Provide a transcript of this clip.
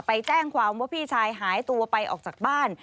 ไปแจ้งความว่าพี่ชายหายตัวไปออกจากบ้าน